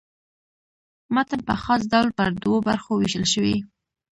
متن په خاص ډول پر دوو برخو وېشل سوی.